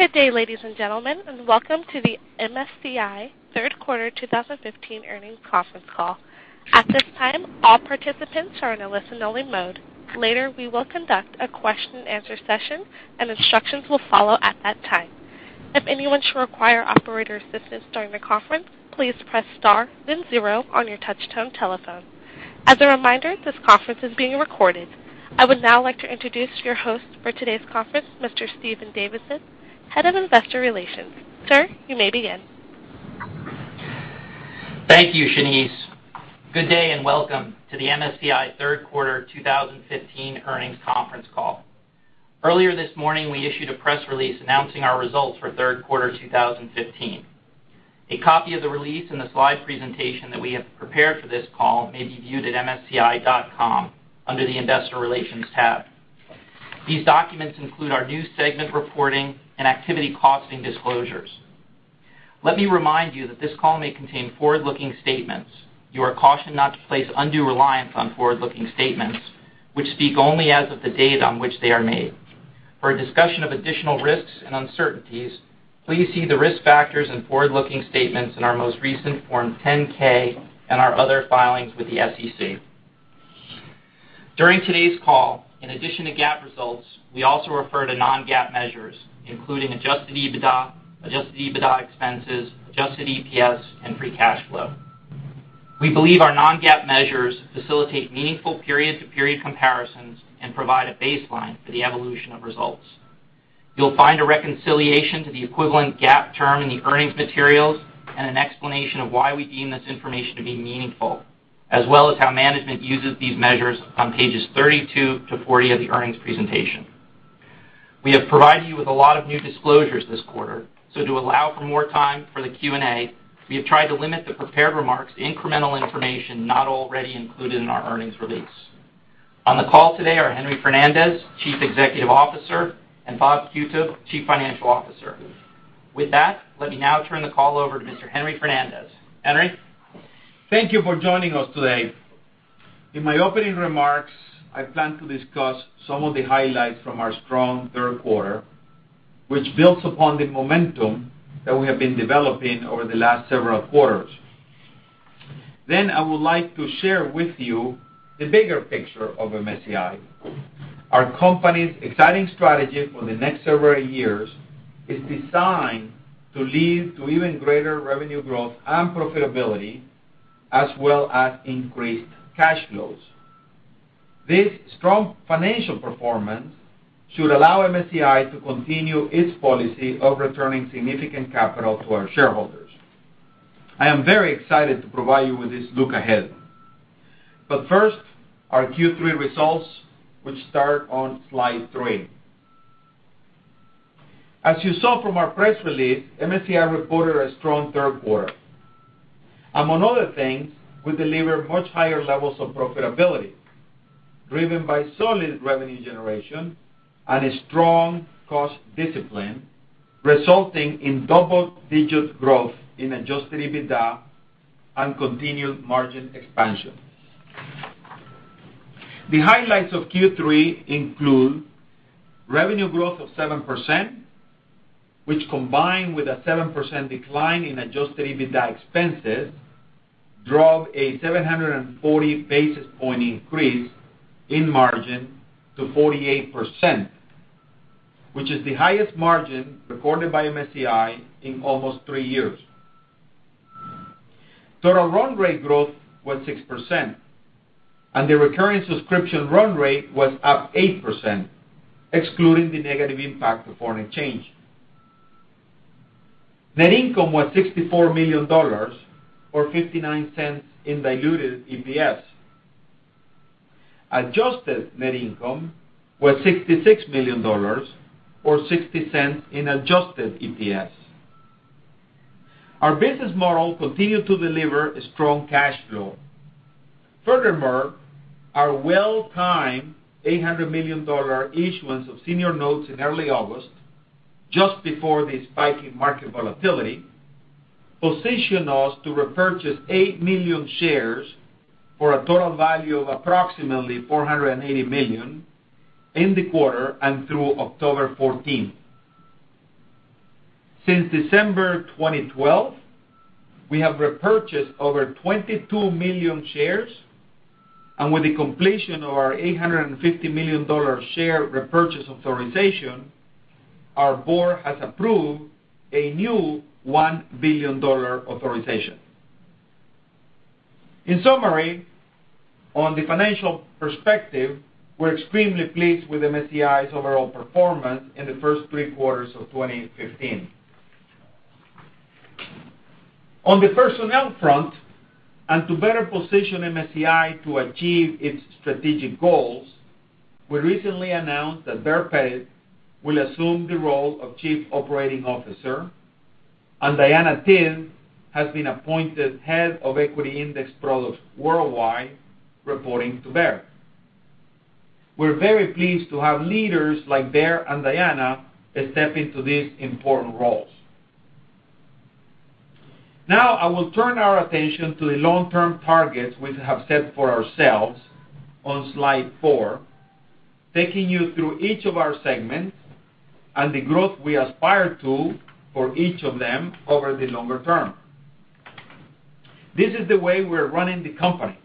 Good day, ladies and gentlemen, and welcome to the MSCI Third Quarter 2015 Earnings Conference Call. At this time, all participants are in a listen-only mode. Later, we will conduct a question and answer session, and instructions will follow at that time. If anyone should require operator assistance during the conference, please press star then zero on your touch-tone telephone. As a reminder, this conference is being recorded. I would now like to introduce your host for today's conference, Mr. Stephen Davidson, Head of Investor Relations. Sir, you may begin. Thank you, Shanice. Good day, and welcome to the MSCI Third Quarter 2015 Earnings Conference Call. Earlier this morning, we issued a press release announcing our results for third quarter 2015. A copy of the release and the slide presentation that we have prepared for this call may be viewed at msci.com under the Investor Relations tab. These documents include our new segment reporting and activity costing disclosures. Let me remind you that this call may contain forward-looking statements. You are cautioned not to place undue reliance on forward-looking statements, which speak only as of the date on which they are made. For a discussion of additional risks and uncertainties, please see the risk factors and forward-looking statements in our most recent Form 10-K and our other filings with the SEC. During today's call, in addition to GAAP results, we also refer to non-GAAP measures, including adjusted EBITDA, adjusted EBITDA expenses, adjusted EPS, and free cash flow. We believe our non-GAAP measures facilitate meaningful period-to-period comparisons and provide a baseline for the evolution of results. You'll find a reconciliation to the equivalent GAAP term in the earnings materials and an explanation of why we deem this information to be meaningful, as well as how management uses these measures on pages 32 to 40 of the earnings presentation. We have provided you with a lot of new disclosures this quarter, so to allow for more time for the Q&A, we have tried to limit the prepared remarks to incremental information not already included in our earnings release. On the call today are Henry Fernandez, Chief Executive Officer, and Robert Qutub, Chief Financial Officer. With that, let me now turn the call over to Mr. Henry Fernandez. Henry? Thank you for joining us today. In my opening remarks, I plan to discuss some of the highlights from our strong third quarter, which builds upon the momentum that we have been developing over the last several quarters. I would like to share with you the bigger picture of MSCI. Our company's exciting strategy for the next several years is designed to lead to even greater revenue growth and profitability, as well as increased cash flows. This strong financial performance should allow MSCI to continue its policy of returning significant capital to our shareholders. I am very excited to provide you with this look ahead. First, our Q3 results, which start on slide three. As you saw from our press release, MSCI reported a strong third quarter. Among other things, we delivered much higher levels of profitability, driven by solid revenue generation and a strong cost discipline, resulting in double-digit growth in adjusted EBITDA and continued margin expansion. The highlights of Q3 include revenue growth of 7%, which, combined with a 7% decline in adjusted EBITDA expenses, drove a 740-basis point increase in margin to 48%, which is the highest margin recorded by MSCI in almost three years. Total run rate growth was 6%, and the recurring subscription run rate was up 8%, excluding the negative impact of FX. Net income was $64 million, or $0.59 in diluted EPS. Adjusted net income was $66 million, or $0.60 in adjusted EPS. Our business model continued to deliver a strong cash flow. Our well-timed $800 million issuance of senior notes in early August, just before the spike in market volatility, positioned us to repurchase 8 million shares for a total value of approximately $480 million in the quarter and through October 14th. Since December 2012, we have repurchased over 22 million shares, and with the completion of our $850 million share repurchase authorization, our board has approved a new $1 billion authorization. In summary, on the financial perspective, we are extremely pleased with MSCI's overall performance in the first three quarters of 2015. On the personnel front, and to better position MSCI to achieve its strategic goals, we recently announced that Baer Pettit will assume the role of Chief Operating Officer, and Diana Tidd has been appointed Head of Equity Index Products worldwide, reporting to Baer. We are very pleased to have leaders like Baer and Diana step into these important roles. I will turn our attention to the long-term targets we have set for ourselves on slide four, taking you through each of our segments and the growth we aspire to for each of them over the longer term. This is the way we are running the company,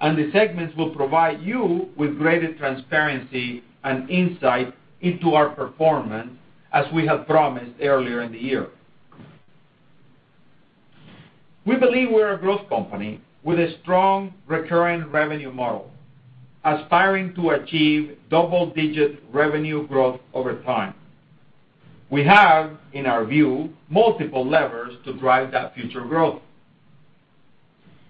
and the segments will provide you with greater transparency and insight into our performance, as we have promised earlier in the year. We believe we are a growth company with a strong recurring revenue model, aspiring to achieve double-digit revenue growth over time. We have, in our view, multiple levers to drive that future growth.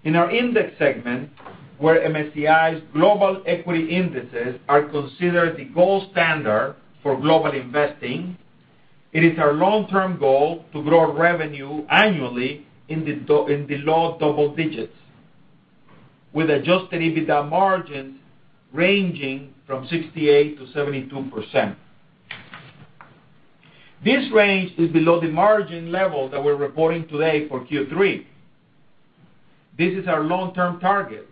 In our Index segment, where MSCI's global equity indices are considered the gold standard for global investing, it is our long-term goal to grow revenue annually in the low double digits with adjusted EBITDA margins ranging from 68%-72%. This range is below the margin level that we're reporting today for Q3. This is our long-term target,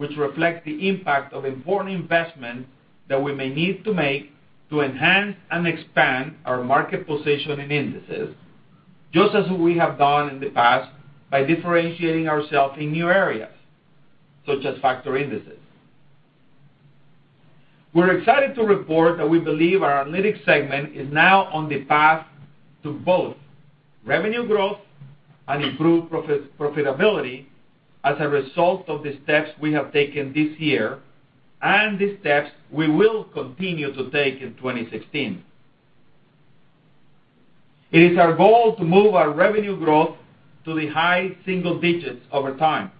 which reflects the impact of important investments that we may need to make to enhance and expand our market position in indices, just as we have done in the past by differentiating ourselves in new areas such as factor indices. We're excited to report that we believe our Analytics segment is now on the path to both revenue growth and improved profitability as a result of the steps we have taken this year and the steps we will continue to take in 2016. It is our goal to move our revenue growth to the high single digits over time.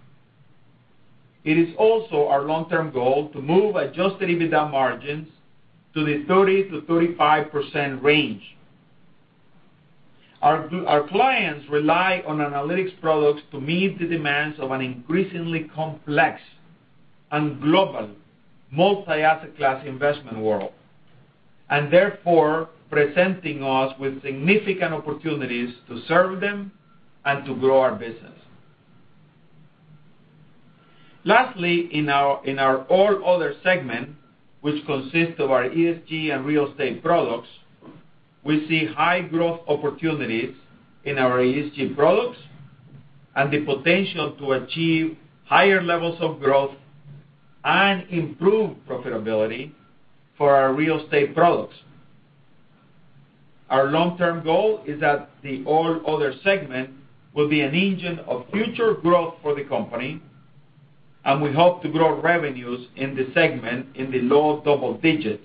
It is also our long-term goal to move adjusted EBITDA margins to the 30%-35% range. Our clients rely on analytics products to meet the demands of an increasingly complex and global multi-asset class investment world, therefore presenting us with significant opportunities to serve them and to grow our business. Lastly, in our All Other segment, which consists of our ESG and real estate products, we see high growth opportunities in our ESG products and the potential to achieve higher levels of growth and improved profitability for our real estate products. Our long-term goal is that the All Other segment will be an engine of future growth for the company, and we hope to grow revenues in the segment in the low double digits.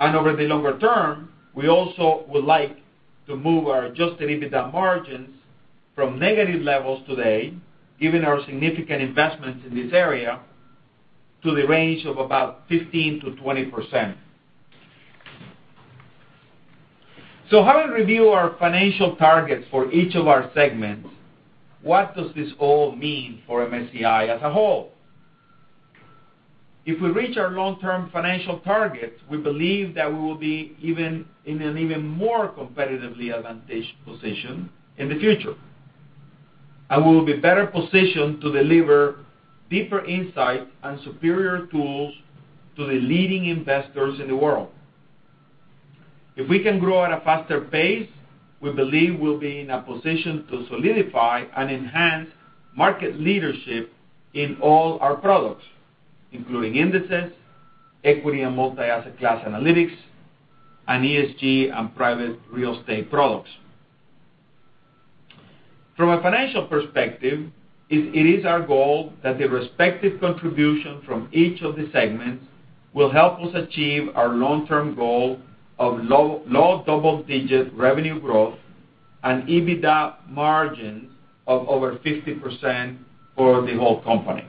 Over the longer term, we also would like to move our adjusted EBITDA margins from negative levels today, given our significant investments in this area, to the range of about 15%-20%. Having reviewed our financial targets for each of our segments, what does this all mean for MSCI as a whole? If we reach our long-term financial targets, we believe that we will be in an even more competitively advantaged position in the future, and we will be better positioned to deliver deeper insight and superior tools to the leading investors in the world. If we can grow at a faster pace, we believe we'll be in a position to solidify and enhance market leadership in all our products, including indices, equity and multi-asset class analytics, and ESG and private real estate products. From a financial perspective, it is our goal that the respective contribution from each of the segments will help us achieve our long-term goal of low double-digit revenue growth and EBITDA margins of over 50% for the whole company.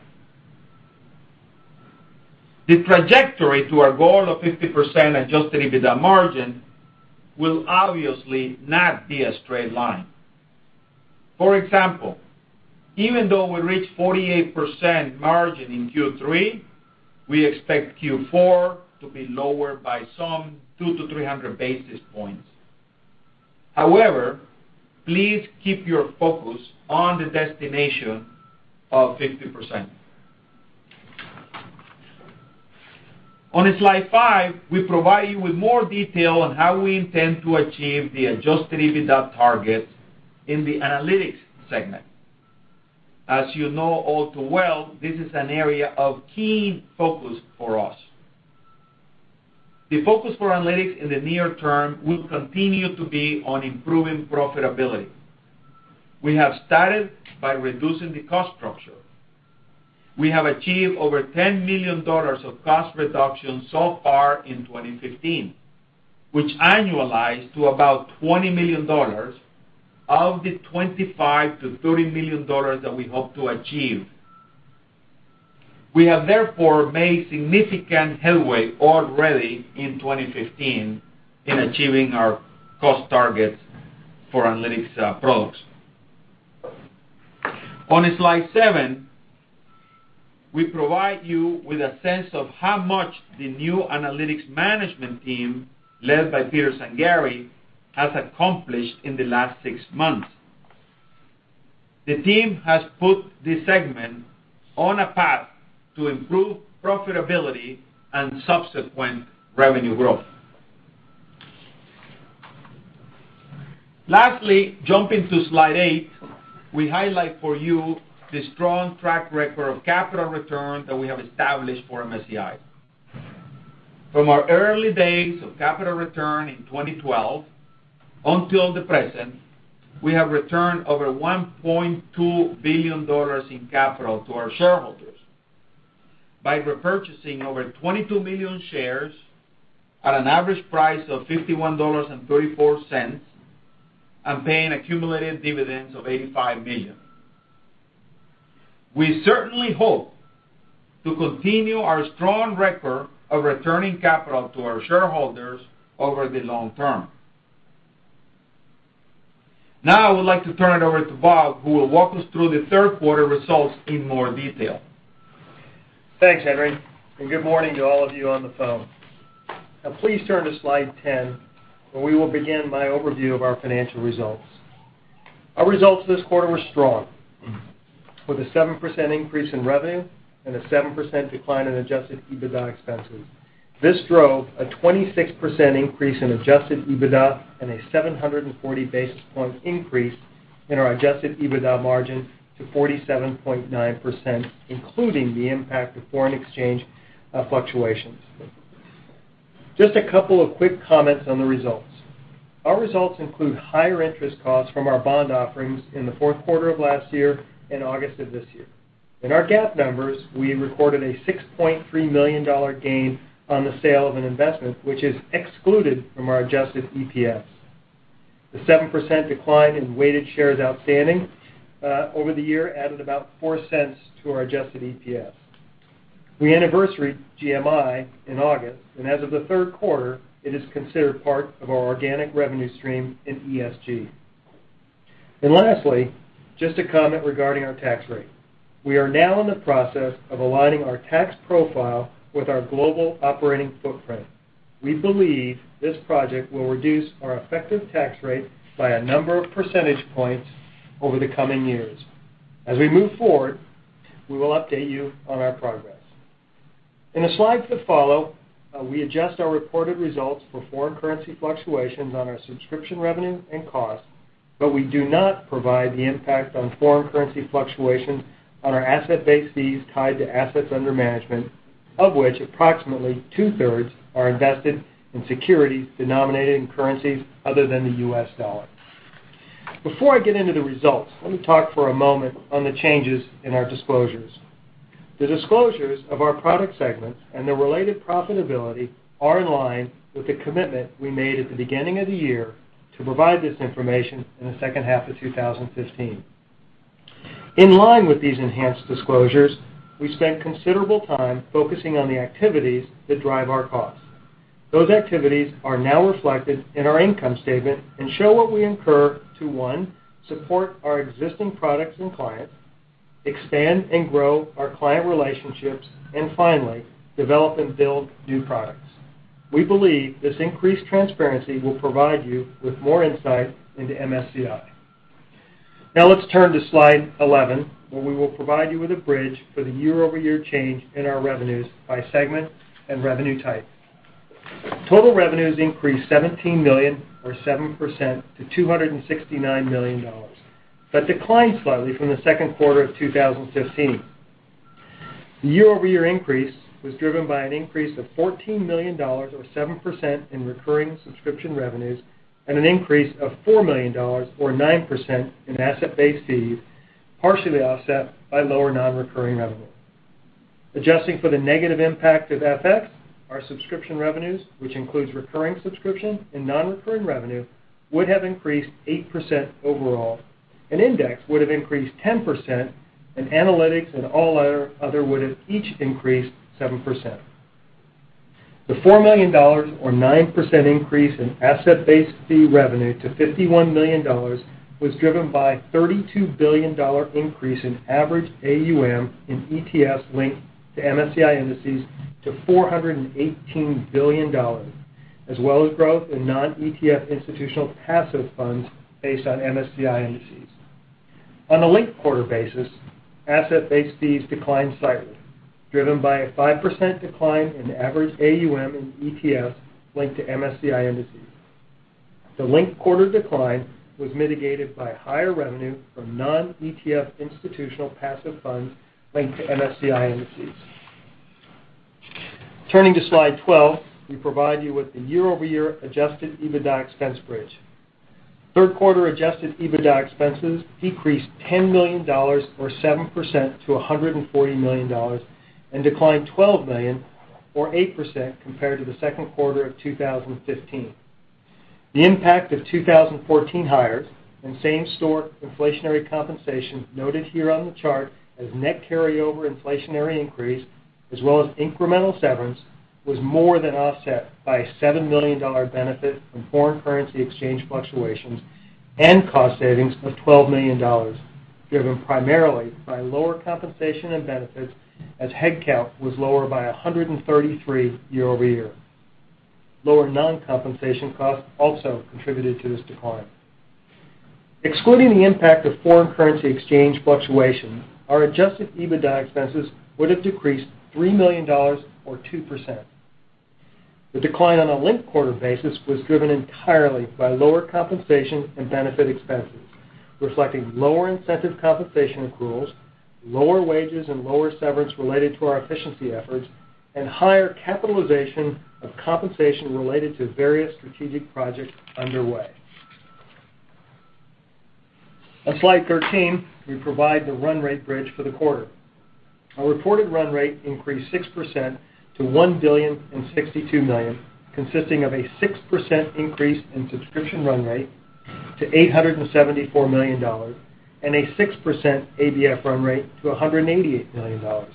The trajectory to our goal of 50% adjusted EBITDA margin will obviously not be a straight line. For example, even though we reached 48% margin in Q3, we expect Q4 to be lower by some 2-300 basis points. However, please keep your focus on the destination of 50%. On slide five, we provide you with more detail on how we intend to achieve the adjusted EBITDA targets in the Analytics segment. As you know all too well, this is an area of keen focus for us. The focus for analytics in the near term will continue to be on improving profitability. We have started by reducing the cost structure. We have achieved over $10 million of cost reductions so far in 2015, which annualize to about $20 million of the $25 million-$30 million that we hope to achieve. We have therefore made significant headway already in 2015 in achieving our cost targets for analytics products. On slide seven, we provide you with a sense of how much the new analytics management team, led by Peter Zangari, has accomplished in the last six months. The team has put this segment on a path to improve profitability and subsequent revenue growth. Lastly, jumping to slide eight, we highlight for you the strong track record of capital return that we have established for MSCI. From our early days of capital return in 2012 until the present, we have returned over $1.2 billion in capital to our shareholders by repurchasing over 22 million shares at an average price of $51.34 and paying accumulated dividends of $85 million. We certainly hope to continue our strong record of returning capital to our shareholders over the long term. Now I would like to turn it over to Bob, who will walk us through the third-quarter results in more detail. Thanks, Henry, and good morning to all of you on the phone. Now please turn to slide 10, where we will begin my overview of our financial results. Our results this quarter were strong, with a 7% increase in revenue and a 7% decline in adjusted EBITDA expenses. This drove a 26% increase in adjusted EBITDA and a 740 basis point increase in our adjusted EBITDA margin to 47.9%, including the impact of foreign exchange fluctuations. Just a couple of quick comments on the results. Our results include higher interest costs from our bond offerings in the fourth quarter of last year and August of this year. In our GAAP numbers, we recorded a $6.3 million gain on the sale of an investment, which is excluded from our adjusted EPS. The 7% decline in weighted shares outstanding over the year added about $0.04 to our adjusted EPS. We anniversaried GMI in August, and as of the third quarter, it is considered part of our organic revenue stream in ESG. Lastly, just a comment regarding our tax rate. We are now in the process of aligning our tax profile with our global operating footprint. We believe this project will reduce our effective tax rate by a number of percentage points over the coming years. As we move forward, we will update you on our progress. In the slides that follow, we adjust our reported results for foreign currency fluctuations on our subscription revenue and costs, but we do not provide the impact on foreign currency fluctuations on our asset-based fees tied to assets under management, of which approximately two-thirds are invested in securities denominated in currencies other than the U.S. dollar. Before I get into the results, let me talk for a moment on the changes in our disclosures. The disclosures of our product segments and their related profitability are in line with the commitment we made at the beginning of the year to provide this information in the second half of 2015. In line with these enhanced disclosures, we spent considerable time focusing on the activities that drive our costs. Those activities are now reflected in our income statement and show what we incur to, 1, support our existing products and clients, expand and grow our client relationships, and finally, develop and build new products. We believe this increased transparency will provide you with more insight into MSCI. Now let's turn to slide 11, where we will provide you with a bridge for the year-over-year change in our revenues by segment and revenue type. Total revenues increased $17 million, or 7%, to $269 million, declined slightly from the second quarter of 2015. The year-over-year increase was driven by an increase of $14 million, or 7%, in recurring subscription revenues and an increase of $4 million, or 9%, in asset-based fees, partially offset by lower non-recurring revenue. Adjusting for the negative impact of FX, our subscription revenues, which includes recurring subscription and non-recurring revenue, would have increased 8% overall, Index would have increased 10%, Analytics and all other would have each increased 7%. The $4 million, or 9%, increase in asset-based fee revenue to $51 million was driven by a $32 billion increase in average AUM in ETFs linked to MSCI indices to $418 billion, as well as growth in non-ETF institutional passive funds based on MSCI indices. On a linked-quarter basis, asset-based fees declined slightly, driven by a 5% decline in average AUM in ETFs linked to MSCI indices. The linked-quarter decline was mitigated by higher revenue from non-ETF institutional passive funds linked to MSCI indices. Turning to slide 12, we provide you with the year-over-year adjusted EBITDA expense bridge. Third-quarter adjusted EBITDA expenses decreased $10 million, or 7%, to $140 million, declined $12 million, or 8%, compared to the second quarter of 2015. The impact of 2014 hires and same-store inflationary compensation, noted here on the chart as net carryover inflationary increase, as well as incremental severance was more than offset by a $7 million benefit from foreign currency exchange fluctuations and cost savings of $12 million, driven primarily by lower compensation and benefits as headcount was lower by 133 year-over-year. Lower non-compensation costs also contributed to this decline. Excluding the impact of foreign currency exchange fluctuation, our adjusted EBITDA expenses would have decreased $3 million, or 2%. The decline on a linked-quarter basis was driven entirely by lower compensation and benefit expenses, reflecting lower incentive compensation accruals, lower wages, and lower severance related to our efficiency efforts, and higher capitalization of compensation related to various strategic projects underway. On Slide 13, we provide the run rate bridge for the quarter. Our reported run rate increased 6% to $1,062 million, consisting of a 6% increase in subscription run rate to $874 million and a 6% ABF run rate to $188 million.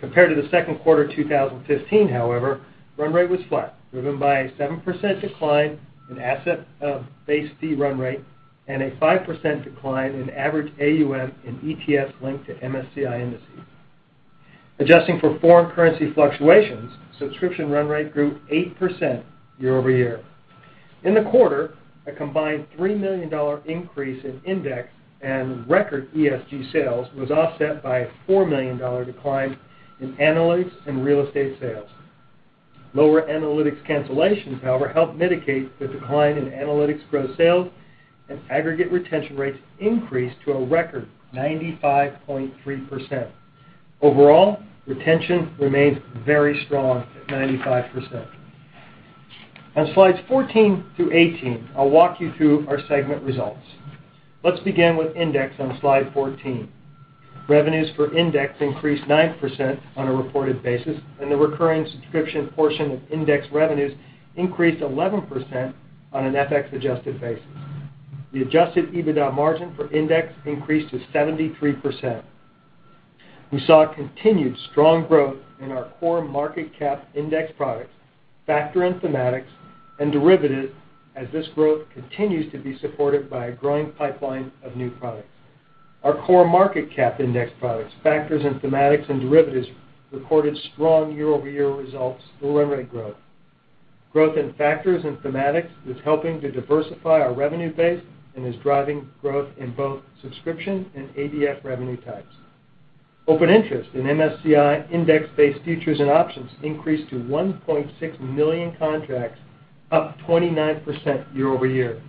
Compared to the second quarter 2015, however, run rate was flat, driven by a 7% decline in asset-based fee run rate and a 5% decline in average AUM in ETFs linked to MSCI indices. Adjusting for foreign currency fluctuations, subscription run rate grew 8% year-over-year. In the quarter, a combined $3 million increase in index and record ESG sales was offset by a $4 million decline in analytics and real estate sales. Lower analytics cancellations, however, helped mitigate the decline in analytics gross sales, and aggregate retention rates increased to a record 95.3%. Overall, retention remains very strong at 95%. On slides 14 through 18, I'll walk you through our segment results. Let's begin with index on slide 14. Revenues for index increased 9% on a reported basis, and the recurring subscription portion of index revenues increased 11% on an FX-adjusted basis. The adjusted EBITDA margin for index increased to 73%. We saw continued strong growth in our core market cap index products, factor and thematics, and derivatives, as this growth continues to be supported by a growing pipeline of new products. Our core market cap index products, factors and thematics, and derivatives recorded strong year-over-year results in run rate growth. Growth in factors and thematics is helping to diversify our revenue base and is driving growth in both subscription and ABF revenue types. Open interest in MSCI index-based futures and options increased to 1.6 million contracts, up 29% year-over-year.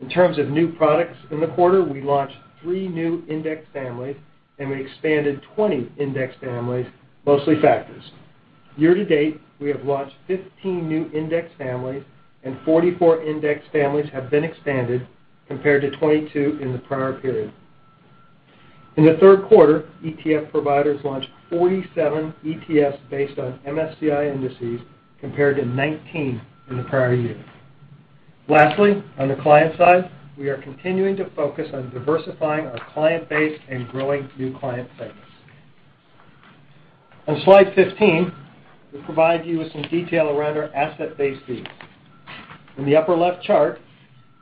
In terms of new products in the quarter, we launched three new index families and we expanded 20 index families, mostly factors. Year-to-date, we have launched 15 new index families and 44 index families have been expanded, compared to 22 in the prior period. In the third quarter, ETF providers launched 47 ETFs based on MSCI indices, compared to 19 in the prior year. Lastly, on the client side, we are continuing to focus on diversifying our client base and growing new client segments. On slide 15, we provide you with some detail around our asset-based fees. In the upper left chart,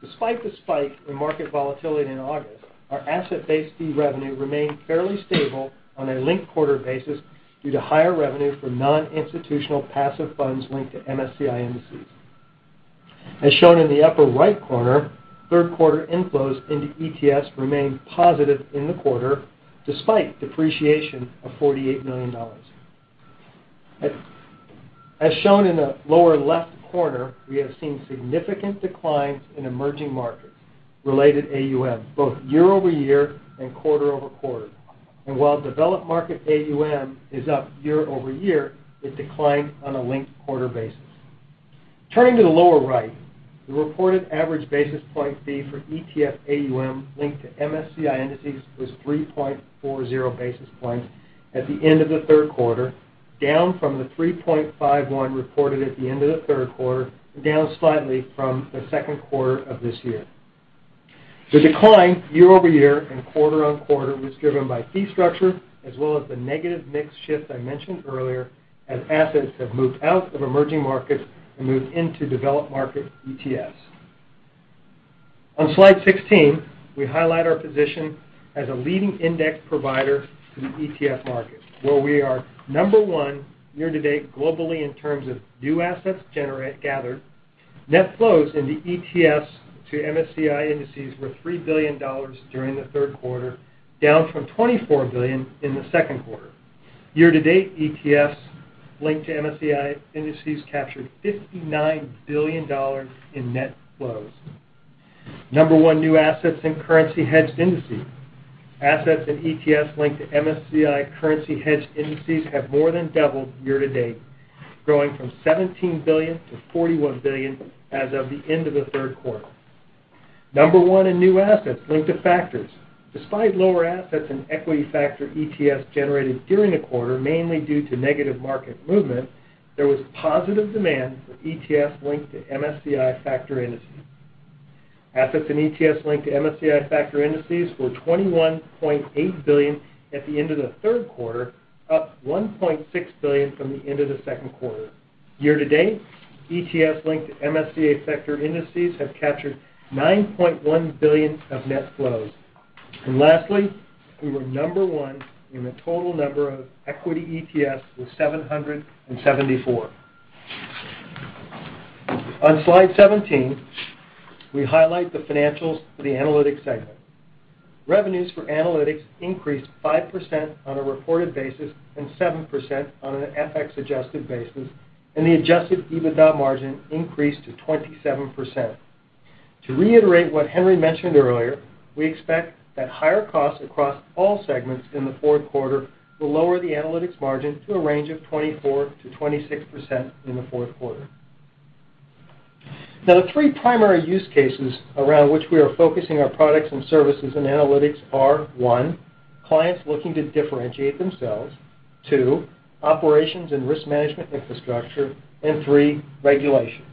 despite the spike in market volatility in August, our asset-based fee revenue remained fairly stable on a linked-quarter basis due to higher revenue from non-institutional passive funds linked to MSCI indices. As shown in the upper right corner, third quarter inflows into ETFs remained positive in the quarter, despite depreciation of $48 million. As shown in the lower left corner, we have seen significant declines in emerging markets related AUM, both year-over-year and quarter-over-quarter. While developed market AUM is up year-over-year, it declined on a linked-quarter basis. Turning to the lower right, the reported average basis point fee for ETF AUM linked to MSCI indices was 3.40 basis points at the end of the third quarter, down from the 3.51 reported at the end of the third quarter, down slightly from the second quarter of this year. The decline year-over-year and quarter-on-quarter was driven by fee structure as well as the negative mix shift I mentioned earlier, as assets have moved out of emerging markets and moved into developed market ETFs. On slide 16, we highlight our position as a leading index provider to the ETF market, where we are number one year-to-date globally in terms of new assets gathered. Net flows into ETFs to MSCI indices were $3 billion during the third quarter, down from $24 billion in the second quarter. Year-to-date, ETFs linked to MSCI indices captured $59 billion in net flows. Number one, new assets in currency hedged indices. Assets in ETFs linked to MSCI currency hedged indices have more than doubled year-to-date, growing from $17 billion to $41 billion as of the end of the third quarter. Number one in new assets linked to factors. Despite lower assets and equity factor ETFs generated during the quarter, mainly due to negative market movement, there was positive demand for ETFs linked to MSCI factor indices. Assets and ETFs linked to MSCI factor indices were $21.8 billion at the end of the third quarter, up $1.6 billion from the end of the second quarter. Year-to-date, ETFs linked to MSCI factor indices have captured $9.1 billion of net flows. Lastly, we were number one in the total number of equity ETFs with 774. On slide 17, we highlight the financials for the Analytics segment. Revenues for Analytics increased 5% on a reported basis and 7% on an FX-adjusted basis, and the adjusted EBITDA margin increased to 27%. To reiterate what Henry mentioned earlier, we expect that higher costs across all segments in the fourth quarter will lower the Analytics margin to a range of 24%-26% in the fourth quarter. The three primary use cases around which we are focusing our products and services in Analytics are, one, clients looking to differentiate themselves, two, operations and risk management infrastructure, and three, regulation.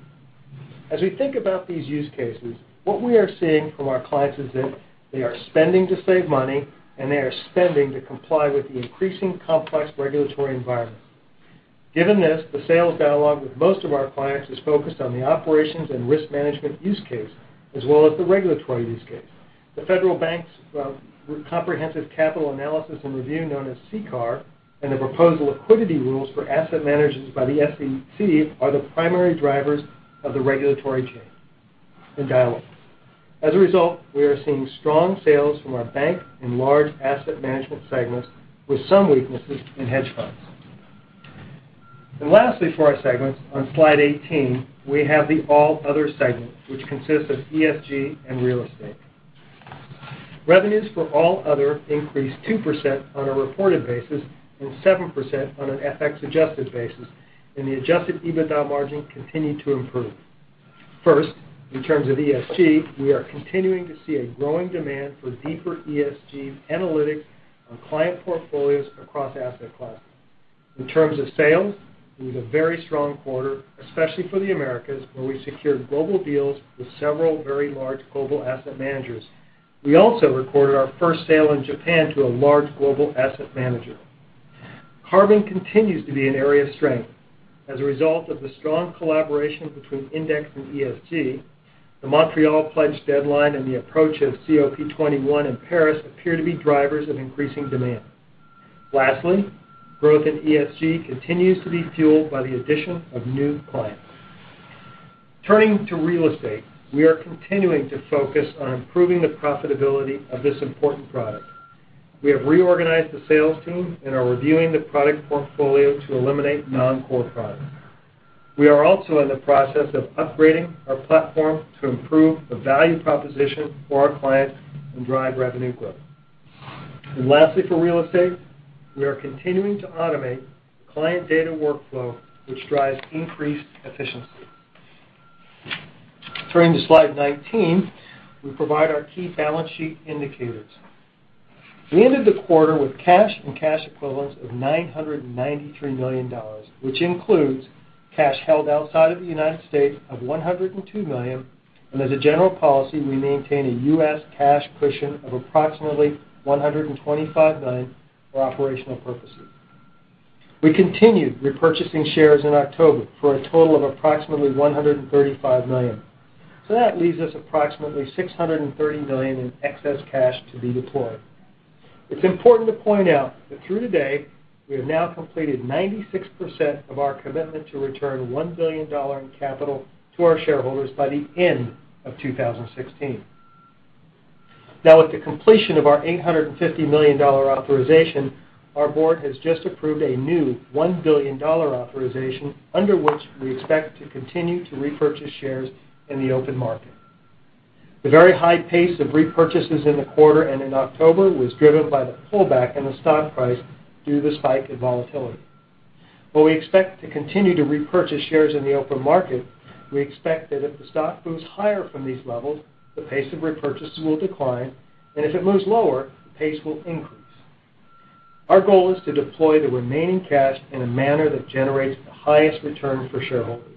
As we think about these use cases, what we are seeing from our clients is that they are spending to save money, they are spending to comply with the increasing complex regulatory environment. Given this, the sales dialogue with most of our clients is focused on the operations and risk management use case, as well as the regulatory use case. The Federal Reserve's Comprehensive Capital Analysis and Review, known as CCAR, and the proposed liquidity rules for asset managers by the SEC are the primary drivers of the regulatory change in dialogue. As a result, we are seeing strong sales from our bank and large asset management segments, with some weaknesses in hedge funds. Lastly, for our segments, on slide 18, we have the All Other segment, which consists of ESG and real estate. Revenues for All Other increased 2% on a reported basis and 7% on an FX-adjusted basis, and the adjusted EBITDA margin continued to improve. First, in terms of ESG, we are continuing to see a growing demand for deeper ESG analytics on client portfolios across asset classes. In terms of sales, it was a very strong quarter, especially for the Americas, where we secured global deals with several very large global asset managers. We also recorded our first sale in Japan to a large global asset manager. Carbon continues to be an area of strength as a result of the strong collaboration between Index and ESG. The Montréal pledge deadline and the approach of COP21 in Paris appear to be drivers of increasing demand. Lastly, growth in ESG continues to be fueled by the addition of new clients. Turning to real estate, we are continuing to focus on improving the profitability of this important product. We have reorganized the sales team and are reviewing the product portfolio to eliminate non-core products. We are also in the process of upgrading our platform to improve the value proposition for our clients and drive revenue growth. Lastly, for real estate, we are continuing to automate client data workflow, which drives increased efficiency. Turning to slide 19, we provide our key balance sheet indicators. We ended the quarter with cash and cash equivalents of $993 million, which includes cash held outside of the United States of $102 million, and as a general policy, we maintain a U.S. cash cushion of approximately $125 million for operational purposes. We continued repurchasing shares in October for a total of approximately $135 million. That leaves us approximately $630 million in excess cash to be deployed. It's important to point out that through today, we have now completed 96% of our commitment to return $1 billion in capital to our shareholders by the end of 2016. With the completion of our $850 million authorization, our board has just approved a new $1 billion authorization, under which we expect to continue to repurchase shares in the open market. The very high pace of repurchases in the quarter and in October was driven by the pullback in the stock price due to the spike in volatility. While we expect to continue to repurchase shares in the open market, we expect that if the stock moves higher from these levels, the pace of repurchases will decline, and if it moves lower, the pace will increase. Our goal is to deploy the remaining cash in a manner that generates the highest return for shareholders.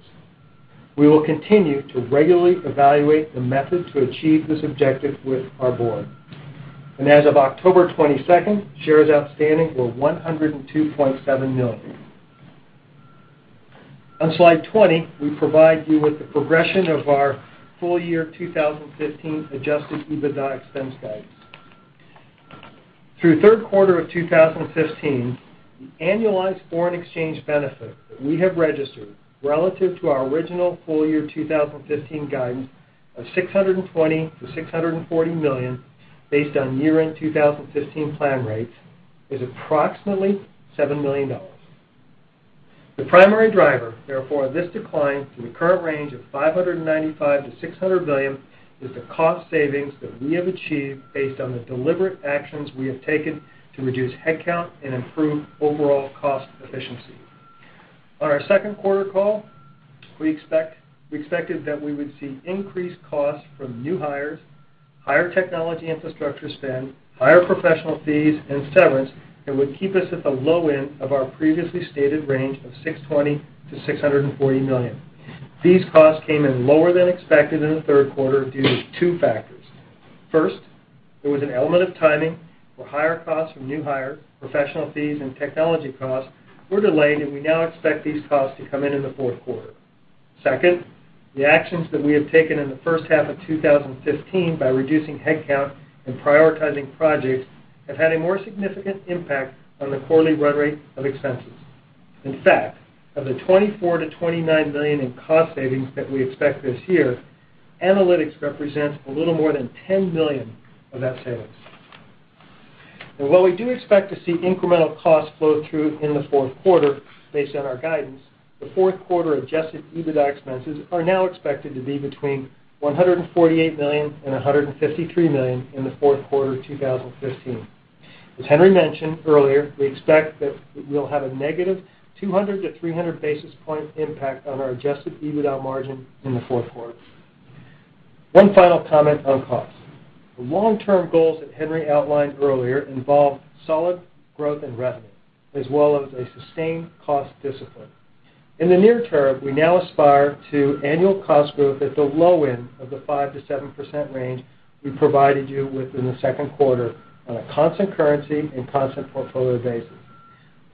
We will continue to regularly evaluate the methods to achieve this objective with our board. As of October 22nd, shares outstanding were 102.7 million. On slide 20, we provide you with the progression of our full year 2015 adjusted EBITDA expense guidance. Through third quarter of 2015, the annualized foreign exchange benefit that we have registered relative to our original full year 2015 guidance of $620 million-$640 million, based on year-end 2015 plan rates, is approximately $7 million. The primary driver, therefore, of this decline to the current range of $595 million-$600 million, is the cost savings that we have achieved based on the deliberate actions we have taken to reduce headcount and improve overall cost efficiency. On our second quarter call, we expected that we would see increased costs from new hires, higher technology infrastructure spend, higher professional fees and severance that would keep us at the low end of our previously stated range of $620 million-$640 million. These costs came in lower than expected in the third quarter due to two factors. First, there was an element of timing where higher costs from new hire professional fees and technology costs were delayed, and we now expect these costs to come in in the fourth quarter. Second, the actions that we have taken in the first half of 2015 by reducing headcount and prioritizing projects have had a more significant impact on the quarterly run rate of expenses. In fact, of the $24 million-$29 million in cost savings that we expect this year, analytics represents a little more than $10 million of that savings. While we do expect to see incremental costs flow through in the fourth quarter based on our guidance, the fourth quarter adjusted EBITDA expenses are now expected to be between $148 million and $153 million in the fourth quarter of 2015. As Henry mentioned earlier, we expect that we'll have a negative 200 to 300 basis point impact on our adjusted EBITDA margin in the fourth quarter. One final comment on cost. The long-term goals that Henry outlined earlier involve solid growth in revenue, as well as a sustained cost discipline. In the near term, we now aspire to annual cost growth at the low end of the 5%-7% range we provided you with in the second quarter on a constant currency and constant portfolio basis.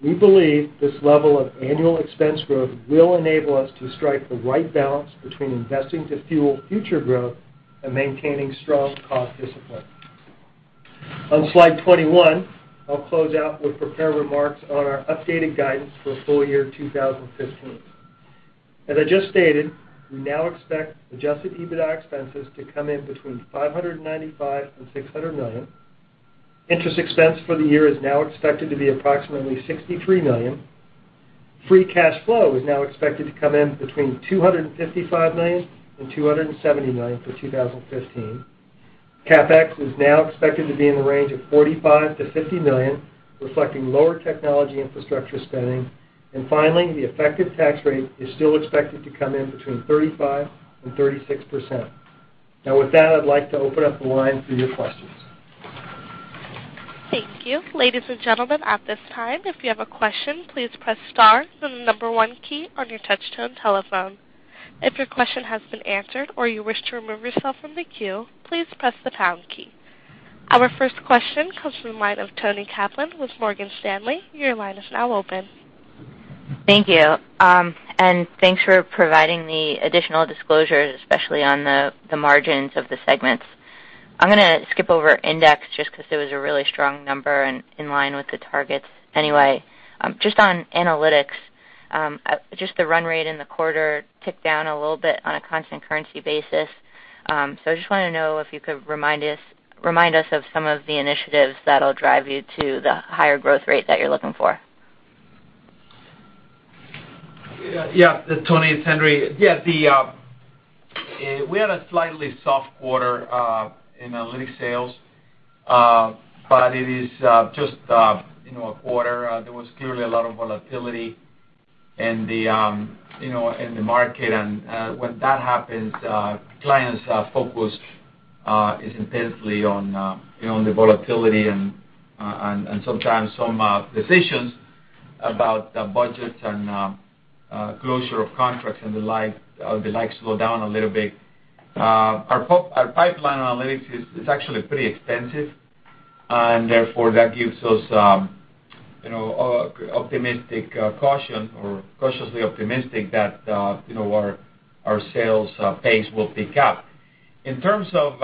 We believe this level of annual expense growth will enable us to strike the right balance between investing to fuel future growth and maintaining strong cost discipline. On slide 21, I'll close out with prepared remarks on our updated guidance for full year 2015. As I just stated, we now expect adjusted EBITDA expenses to come in between $595 million and $600 million. Interest expense for the year is now expected to be approximately $63 million. Free cash flow is now expected to come in between $255 million and $270 million for 2015. CapEx is now expected to be in the range of $45 million-$50 million, reflecting lower technology infrastructure spending. Finally, the effective tax rate is still expected to come in between 35% and 36%. With that, I'd like to open up the line for your questions. Thank you. Ladies and gentlemen, at this time, if you have a question, please press star then the number 1 key on your touch-tone telephone. If your question has been answered or you wish to remove yourself from the queue, please press the pound key. Our first question comes from the line of Toni Kaplan with Morgan Stanley. Your line is now open. Thank you. Thanks for providing the additional disclosures, especially on the margins of the segments. I'm going to skip over index just because it was a really strong number and in line with the targets anyway. Just on analytics, just the run rate in the quarter ticked down a little bit on a constant currency basis. I just wanted to know if you could remind us of some of the initiatives that'll drive you to the higher growth rate that you're looking for. Yeah, Toni, it's Henry. We had a slightly soft quarter in Analytics sales, it is just a quarter. There was clearly a lot of volatility in the market. When that happens, clients focus intensely on the volatility and sometimes some decisions about budgets and closure of contracts, and the likes slow down a little bit. Our pipeline Analytics is actually pretty extensive. Therefore, that gives us cautiously optimistic that our sales pace will pick up. In terms of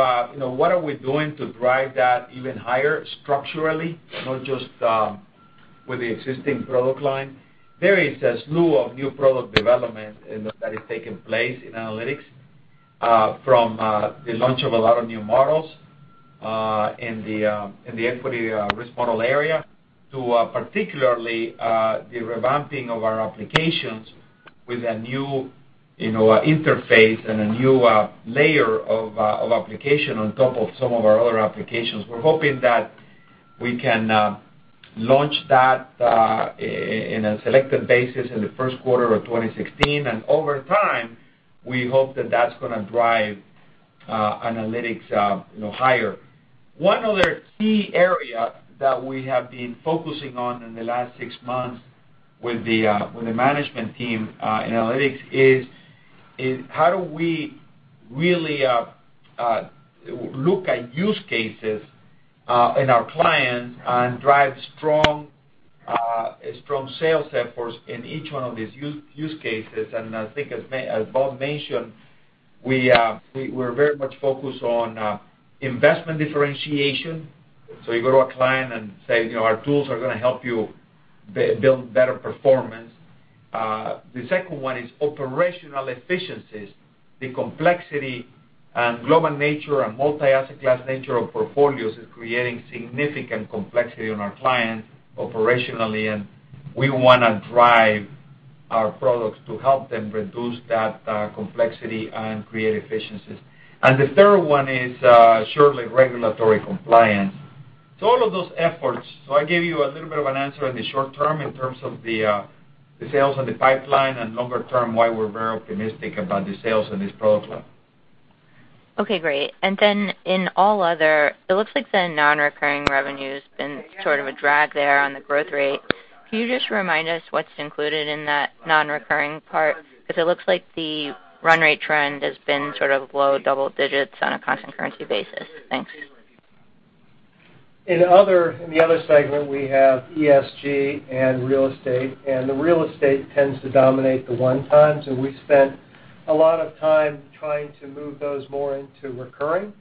what are we doing to drive that even higher structurally, not just with the existing product line, there is a slew of new product development that is taking place in Analytics from the launch of a lot of new models in the equity risk model area to particularly the revamping of our applications with a new interface and a new layer of application on top of some of our other applications. We're hoping that we can launch that in a selective basis in the first quarter of 2016. Over time, we hope that that's going to drive Analytics higher. One other key area that we have been focusing on in the last six months with the management team in Analytics is how do we really look at use cases in our clients and drive strong sales efforts in each one of these use cases. I think as Bob mentioned, we're very much focused on investment differentiation. You go to a client and say, "Our tools are going to help you build better performance." The second one is operational efficiencies. The complexity and global nature and multi-asset class nature of portfolios is creating significant complexity on our clients operationally, we want to drive our products to help them reduce that complexity and create efficiencies. The third one is surely regulatory compliance. All of those efforts. I gave you a little bit of an answer in the short term in terms of the sales in the pipeline, longer term, why we're very optimistic about the sales in this product line. Okay, great. In all other, it looks like the non-recurring revenue's been sort of a drag there on the growth rate. Can you just remind us what's included in that non-recurring part? Because it looks like the run rate trend has been sort of low double digits on a constant currency basis. Thanks. In the other segment, we have ESG and real estate, and the real estate tends to dominate the one-times. We've spent a lot of time trying to move those more into recurring.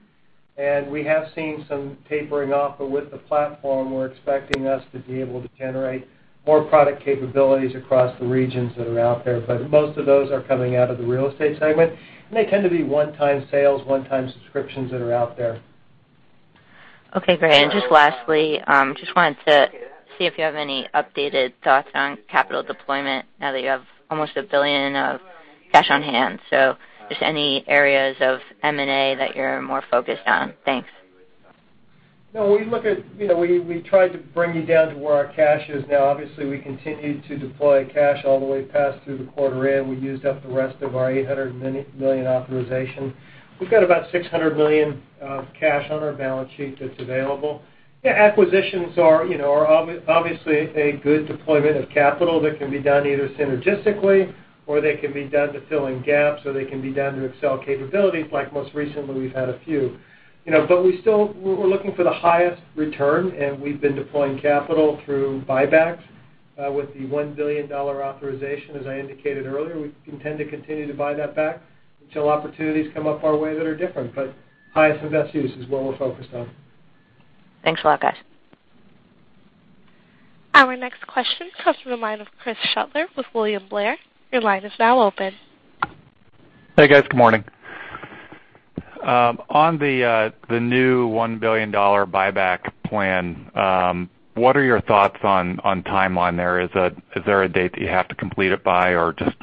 With the platform, we're expecting us to be able to generate more product capabilities across the regions that are out there. Most of those are coming out of the real estate segment, and they tend to be one-time sales, one-time subscriptions that are out there. Okay, great. Just lastly, just wanted to see if you have any updated thoughts on capital deployment now that you have almost $1 billion of cash on hand. Just any areas of M&A that you're more focused on. Thanks. No, we tried to bring you down to where our cash is now. Obviously, we continued to deploy cash all the way past through the quarter end. We used up the rest of our $800 million authorization. We've got about $600 million of cash on our balance sheet that's available. Acquisitions are obviously a good deployment of capital that can be done either synergistically or they can be done to fill in gaps, or they can be done to excel capabilities like most recently we've had a few. We're looking for the highest return, and we've been deploying capital through buybacks, with the $1 billion authorization, as I indicated earlier. We intend to continue to buy that back until opportunities come up our way that are different. Highest and best use is what we're focused on. Thanks a lot, guys. Our next question comes from the line of Chris Shutler with William Blair. Your line is now open. Hey, guys. Good morning. On the new $1 billion buyback plan, what are your thoughts on timeline there? Is there a date that you have to complete it by or just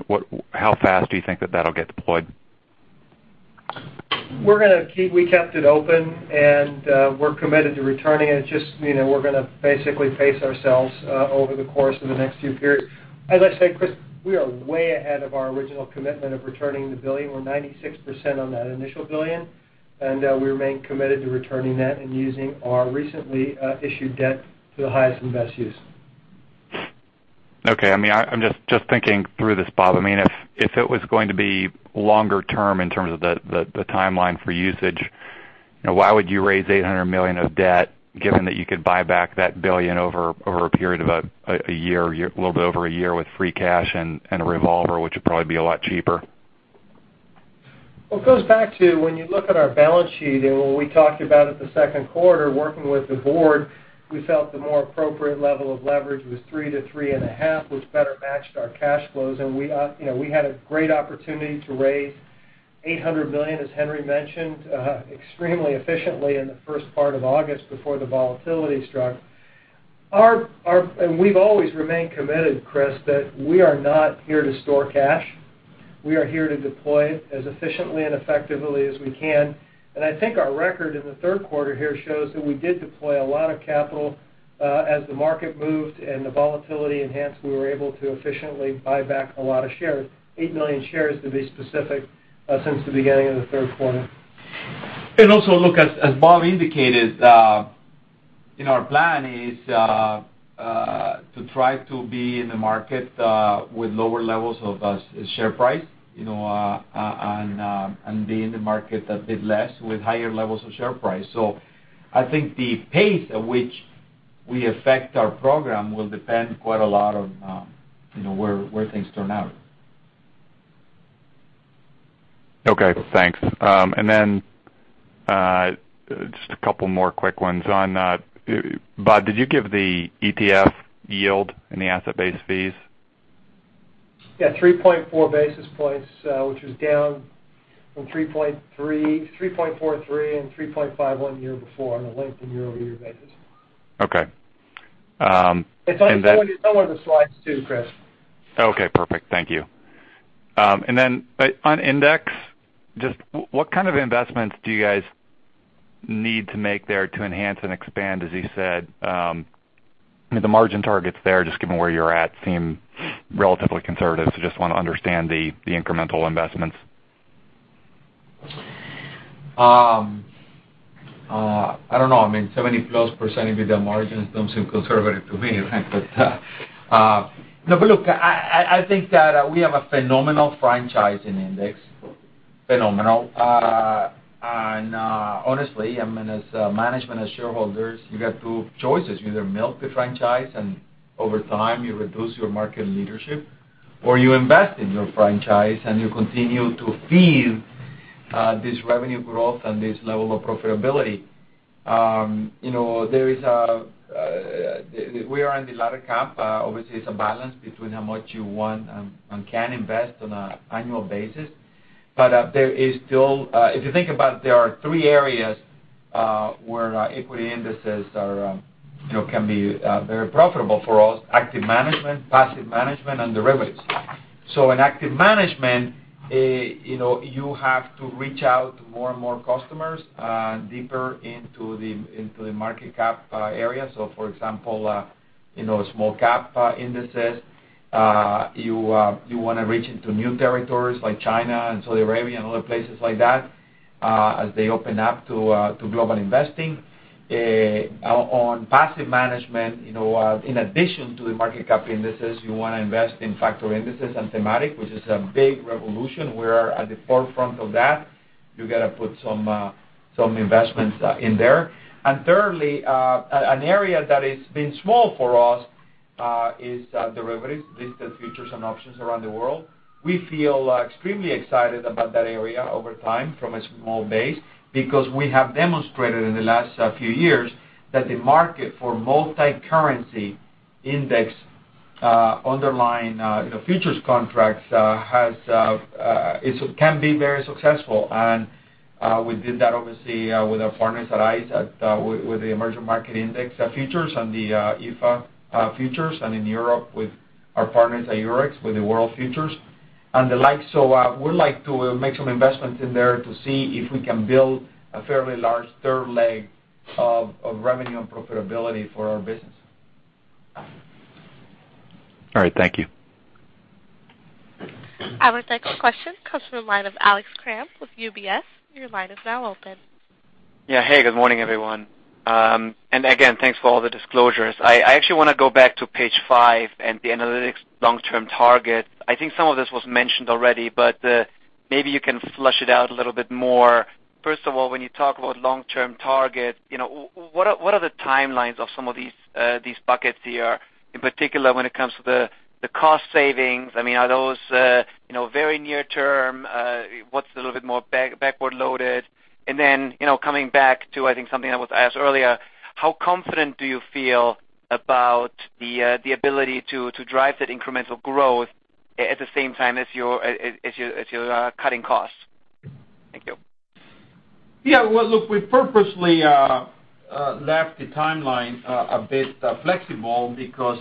how fast do you think that'll get deployed? We kept it open. We're committed to returning it. We're going to basically pace ourselves over the course of the next few periods. As I said, Chris, we are way ahead of our original commitment of returning the billion. We're 96% on that initial billion, and we remain committed to returning that and using our recently issued debt to the highest and best use. Okay. I'm just thinking through this, Bob. If it was going to be longer term in terms of the timeline for usage, why would you raise $800 million of debt given that you could buy back that $1 billion over a period of a year, a little bit over a year with free cash and a revolver, which would probably be a lot cheaper? Well, it goes back to when you look at our balance sheet and what we talked about at the second quarter, working with the board, we felt the more appropriate level of leverage was three to three and a half, which better matched our cash flows. We had a great opportunity to raise $800 million, as Henry mentioned, extremely efficiently in the first part of August before the volatility struck. We've always remained committed, Chris, that we are not here to store cash. We are here to deploy it as efficiently and effectively as we can. I think our record in the third quarter here shows that we did deploy a lot of capital. As the market moved and the volatility enhanced, we were able to efficiently buy back a lot of shares, 8 million shares, to be specific, since the beginning of the third quarter. Also, look, as Bob indicated, our plan is to try to be in the market with lower levels of share price, and be in the market a bit less with higher levels of share price. I think the pace at which we affect our program will depend quite a lot on where things turn out. Okay, thanks. Then just a couple more quick ones. Bob, did you give the ETF yield and the asset-based fees? Yeah, 3.4 basis points, which is down from 3.43 and 3.51 year before on a linked and year-over-year basis. Okay. It's on one of the slides, too, Chris. Okay, perfect. Thank you. On Index, just what kind of investments do you guys need to make there to enhance and expand, as you said? The margin targets there, just given where you're at, seem relatively conservative, so just want to understand the incremental investments. I don't know. 70+% EBITDA margins don't seem conservative to me, right? Look, I think that we have a phenomenal franchise in Index. Phenomenal. Honestly, as management, as shareholders, you got two choices. You either milk the franchise, and over time you reduce your market leadership, or you invest in your franchise, and you continue to feed this revenue growth and this level of profitability. We are in the latter camp. Obviously, it's a balance between how much you want and can invest on an annual basis. If you think about it, there are three areas where equity indices can be very profitable for us, active management, passive management, and derivatives. In active management, you have to reach out to more and more customers deeper into the market cap area. For example, small cap indices. You want to reach into new territories like China and Saudi Arabia and other places like that as they open up to global investing. On passive management, in addition to the market cap indices, you want to invest in factor indices and thematic, which is a big revolution. We're at the forefront of that. You got to put some investments in there. Thirdly, an area that has been small for us is derivatives, listed futures and options around the world. We feel extremely excited about that area over time from a small base because we have demonstrated in the last few years that the market for multi-currency index underlying futures contracts can be very successful. We did that obviously with our partners at ICE with the emerging market index futures and the EAFE futures, in Europe with our partners at Eurex with the world futures and the like. We'd like to make some investments in there to see if we can build a fairly large third leg of revenue and profitability for our business. All right. Thank you. Our next question comes from the line of Alex Kramm with UBS. Your line is now open. Yeah. Hey, good morning, everyone. Again, thanks for all the disclosures. I actually want to go back to page five and the Analytics long-term target. I think some of this was mentioned already, but maybe you can flesh it out a little bit more. First of all, when you talk about long-term target, what are the timelines of some of these buckets here, in particular when it comes to the cost savings? Are those very near term? What's a little bit more backward loaded? Coming back to, I think, something that was asked earlier, how confident do you feel about the ability to drive that incremental growth at the same time as you're cutting costs? Thank you. Yeah. Well, look, we purposely left the timeline a bit flexible because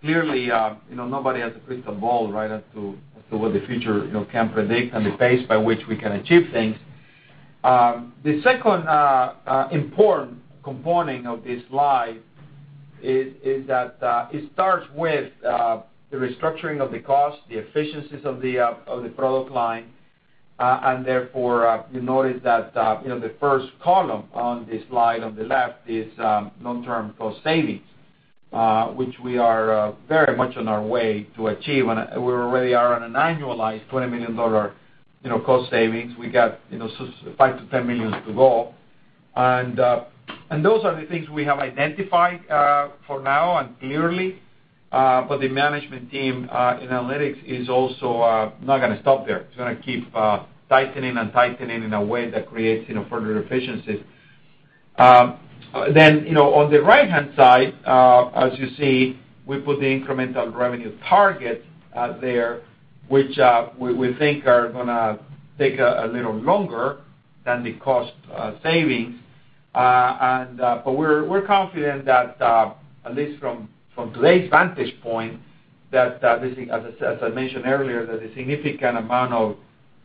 clearly, nobody has a crystal ball right as to what the future can predict and the pace by which we can achieve things. The second important component of this slide is that it starts with the restructuring of the cost, the efficiencies of the product line. Therefore, you notice that the first column on this slide on the left is long-term cost savings, which we are very much on our way to achieve. We already are on an annualized $20 million cost savings. We got five million to $10 million to go. Those are the things we have identified for now and clearly. The management team in Analytics is also not going to stop there. It's going to keep tightening and tightening in a way that creates further efficiencies. On the right-hand side, as you see, we put the incremental revenue target there, which we think are going to take a little longer than the cost savings. We're confident that, at least from today's vantage point, as I mentioned earlier, that the significant amount of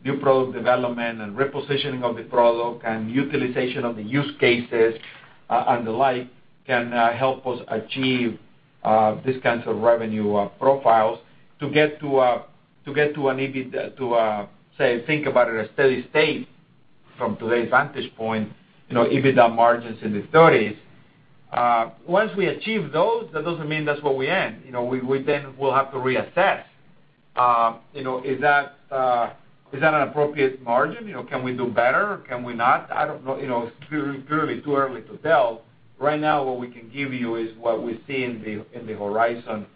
new product development and repositioning of the product and utilization of the use cases and the like can help us achieve these kinds of revenue profiles to get to a steady state from today's vantage point, EBITDA margins in the 30s. Once we achieve those, that doesn't mean that's where we end. We then will have to reassess. Is that an appropriate margin? Can we do better? Can we not? I don't know. It's clearly too early to tell. Right now, what we can give you is what we see in the horizon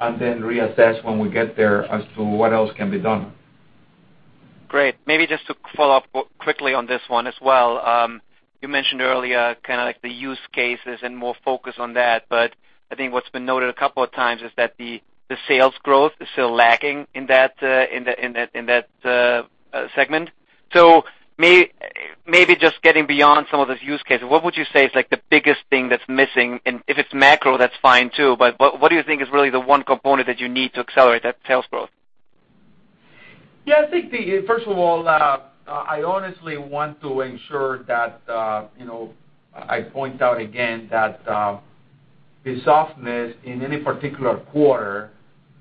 and then reassess when we get there as to what else can be done. Great. Maybe just to follow up quickly on this one as well. You mentioned earlier the use cases and more focus on that, but I think what's been noted a couple of times is that the sales growth is still lacking in that segment. Maybe just getting beyond some of those use cases, what would you say is the biggest thing that's missing? If it's macro, that's fine too, but what do you think is really the one component that you need to accelerate that sales growth? I think, first of all, I honestly want to ensure that I point out again that the softness in any particular quarter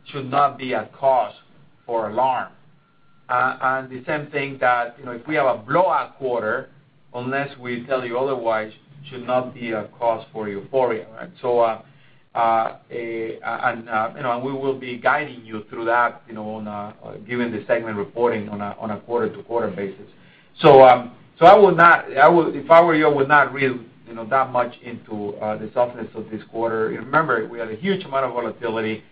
should not be a cause for alarm. The same thing that if we have a blowout quarter, unless we tell you otherwise, should not be a cause for euphoria. We will be guiding you through that given the segment reporting on a quarter-to-quarter basis. If I were you, I would not read that much into the softness of this quarter. Remember, we had a huge amount of volatility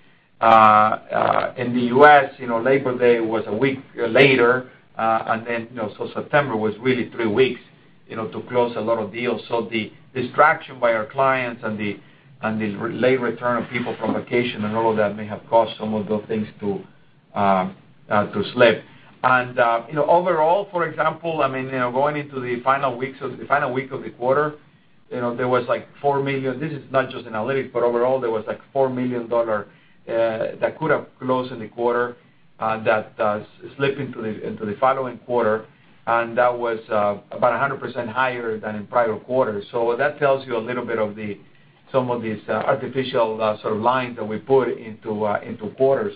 in the U.S. Labor Day was a week later, and then September was really three weeks to close a lot of deals. The distraction by our clients and the late return of people from vacation and all of that may have caused some of those things to slip. Overall, for example, going into the final week of the quarter there was like $4 million. This is not just analytics, but overall there was like $4 million that could have closed in the quarter that slipped into the following quarter, and that was about 100% higher than in prior quarters. That tells you a little bit of some of these artificial sort of lines that we put into quarters.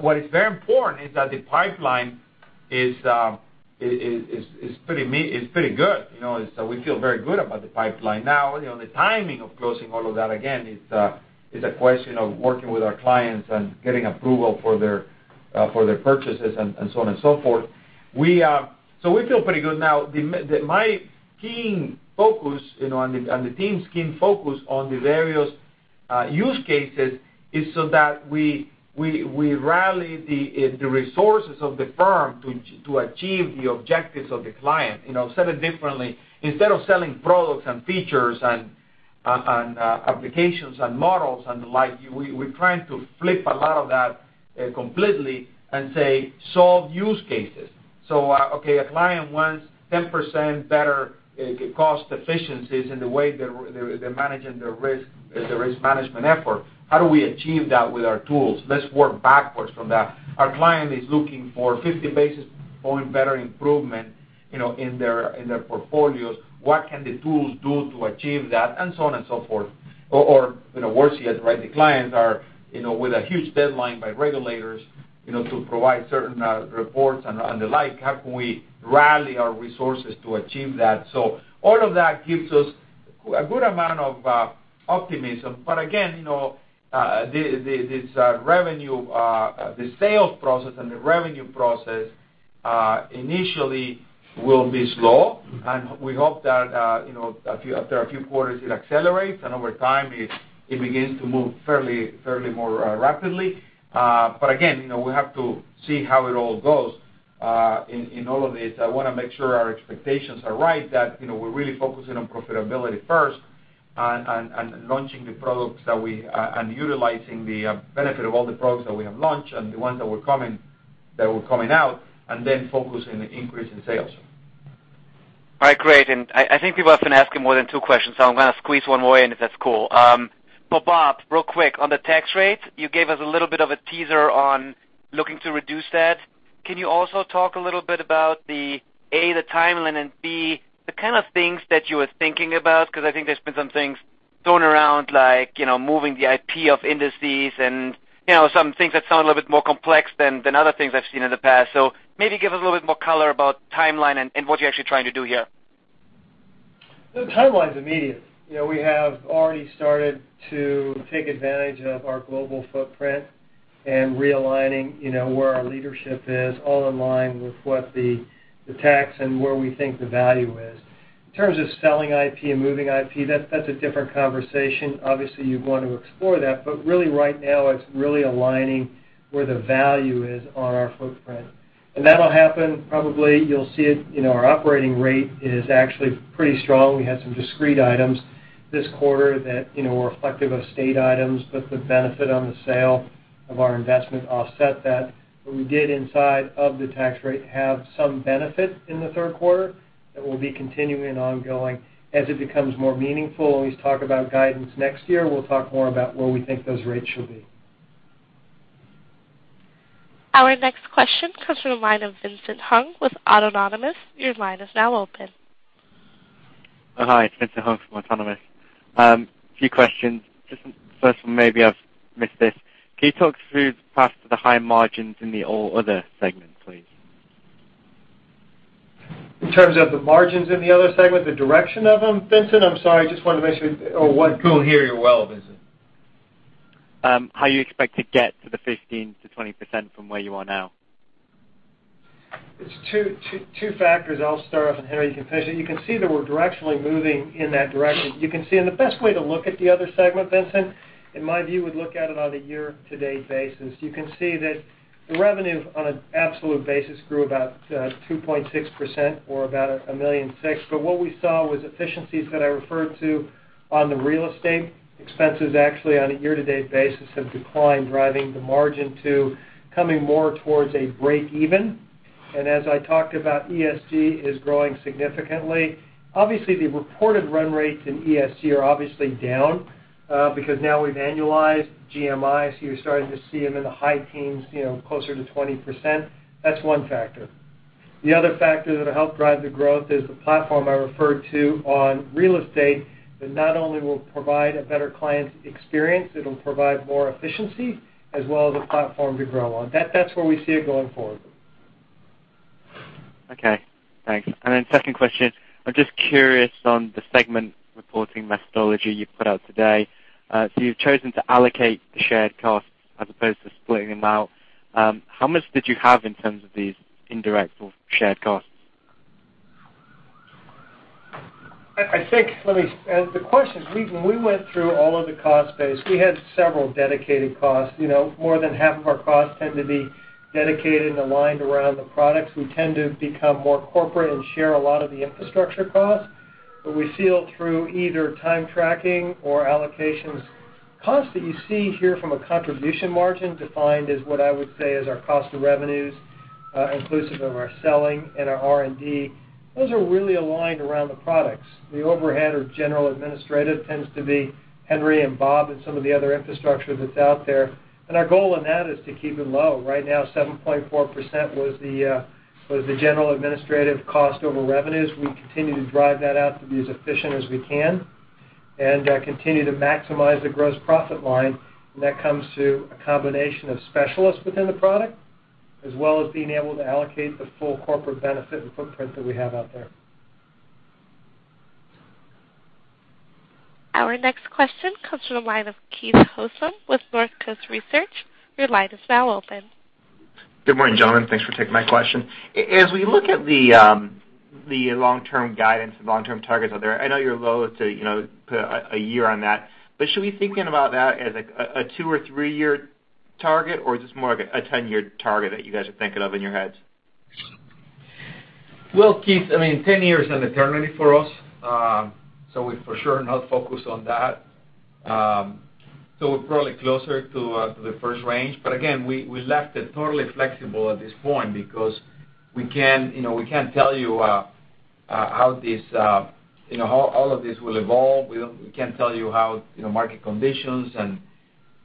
What is very important is that the pipeline is pretty good. We feel very good about the pipeline. Now, the timing of closing all of that, again, is a question of working with our clients and getting approval for their purchases and so on and so forth. We feel pretty good. Now, my keen focus and the team's keen focus on these various use cases is so that we rally the resources of the firm to achieve the objectives of the client. Said differently, instead of selling products and features and applications and models and the like, we're trying to flip a lot of that completely and say, solve use cases. Okay, a client wants 10% better cost efficiencies in the way they're managing their risk as a risk management effort. How do we achieve that with our tools? Let's work backwards from that. Our client is looking for 50 basis point better improvement in their portfolios. What can the tools do to achieve that, and so on and so forth? Worse yet, the clients are with a huge deadline by regulators to provide certain reports and the like. How can we rally our resources to achieve that? All of that gives us a good amount of optimism. Again, the sales process and the revenue process initially will be slow, and we hope that after a few quarters, it accelerates, and over time, it begins to move fairly more rapidly. Again, we have to see how it all goes in all of this. I want to make sure our expectations are right, that we're really focusing on profitability first and launching the products and utilizing the benefit of all the products that we have launched and the ones that were coming out, and then focusing on the increase in sales. All right, great. I think people have been asking more than two questions, so I'm going to squeeze one more in, if that's cool. Bob, real quick, on the tax rates, you gave us a little bit of a teaser on looking to reduce that. Can you also talk a little bit about, A, the timeline, and B, the kind of things that you are thinking about? I think there's been some things thrown around, like moving the IP of indices and some things that sound a little bit more complex than other things I've seen in the past. Maybe give us a little bit more color about timeline and what you're actually trying to do here. The timeline's immediate. We have already started to take advantage of our global footprint and realigning where our leadership is, all in line with what the tax and where we think the value is. In terms of selling IP and moving IP, that's a different conversation. Obviously, you'd want to explore that. Really right now, it's really aligning where the value is on our footprint. That'll happen, probably you'll see it, our operating rate is actually pretty strong. We had some discrete items this quarter that were reflective of state items, but the benefit on the sale of our investment offset that. We did, inside of the tax rate, have some benefit in the third quarter that will be continuing ongoing. As it becomes more meaningful, when we talk about guidance next year, we'll talk more about where we think those rates should be. Our next question comes from the line of Vincent Hung with Autonomous. Your line is now open. Hi, it's Vincent Hung from Autonomous. A few questions. Just the first one, maybe I've missed this. Can you talk through the path to the higher margins in the all other segments, please? In terms of the margins in the other segment, the direction of them, Vincent? I'm sorry. Just wanted to make sure. We couldn't hear you well, Vincent. How you expect to get to the 15%-20% from where you are now. It's two factors. I'll start off, Henry, you can finish it. You can see that we're directionally moving in that direction. You can see, the best way to look at the other segment, Vincent, in my view, would look at it on a year-to-date basis. You can see that the revenue on an absolute basis grew about 2.6%, or about $1.6 million. What we saw was efficiencies that I referred to on the real estate. Expenses actually on a year-to-date basis have declined, driving the margin to coming more towards a break even. As I talked about, ESG is growing significantly. Obviously, the reported run rates in ESG are obviously down, because now we've annualized GMIs. You're starting to see them in the high teens, closer to 20%. That's one factor. The other factor that'll help drive the growth is the platform I referred to on real estate, that not only will provide a better client experience, it'll provide more efficiency as well as a platform to grow on. That's where we see it going forward. Okay, thanks. Second question. I'm just curious on the segment reporting methodology you put out today. You've chosen to allocate the shared costs as opposed to splitting them out. How much did you have in terms of these indirect or shared costs? When we went through all of the cost base, we had several dedicated costs. More than half of our costs tend to be dedicated and aligned around the products. We tend to become more corporate and share a lot of the infrastructure costs. We see it through either time tracking or allocations Costs that you see here from a contribution margin defined as what I would say is our cost of revenues, inclusive of our selling and our R&D. Those are really aligned around the products. The overhead or general administrative tends to be Henry and Bob and some of the other infrastructure that's out there. Our goal in that is to keep it low. Right now, 7.4% was the general administrative cost over revenues. We continue to drive that out to be as efficient as we can and continue to maximize the gross profit line. That comes to a combination of specialists within the product, as well as being able to allocate the full corporate benefit and footprint that we have out there. Our next question comes from the line of Keith Housum with Northcoast Research. Your line is now open. Good morning, gentlemen. Thanks for taking my question. As we look at the long-term guidance and long-term targets out there, I know you're loathe to put a year on that. Should we be thinking about that as a two or three-year target, or is this more of a 10-year target that you guys are thinking of in your heads? Well, Keith, 10 years is an eternity for us. We're for sure not focused on that. We're probably closer to the first range. Again, we left it totally flexible at this point because we can't tell you how all of this will evolve. We can't tell you how market conditions and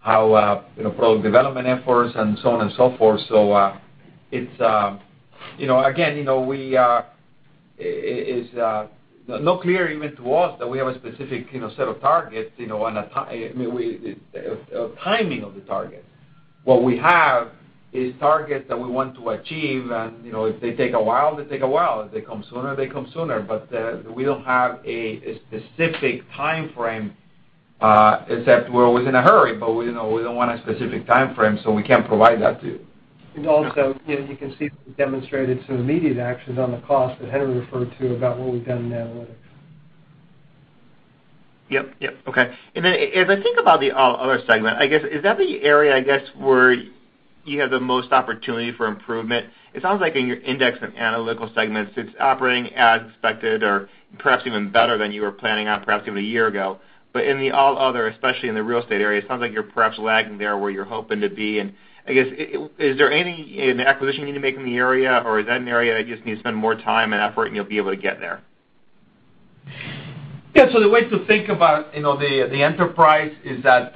how product development efforts and so on and so forth. Again, it's not clear even to us that we have a specific set of targets, a timing of the target. What we have is targets that we want to achieve, and if they take a while, they take a while. If they come sooner, they come sooner. We don't have a specific timeframe, except we're always in a hurry, but we don't want a specific timeframe, so we can't provide that to you. You can see that we demonstrated some immediate actions on the cost that Henry referred to about what we've done in analytics. Yep. Okay. Then as I think about the All Other Segment, I guess, is that the area where you have the most opportunity for improvement? It sounds like in your Index and analytical segments, it's operating as expected or perhaps even better than you were planning on perhaps even a year ago. In the All Other, especially in the real estate area, it sounds like you're perhaps lagging there where you're hoping to be. I guess is there any acquisition you need to make in the area, or is that an area you just need to spend more time and effort, and you'll be able to get there? Yeah. The way to think about the enterprise is that